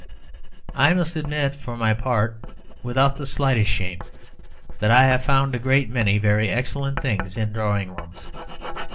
I must admit, for my part, without the slightest shame, that I have found a great many very excellent things in drawing rooms.